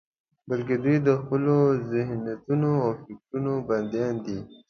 بلکې دوی د خپلو ذهنيتونو او فکرونو بندیان دي.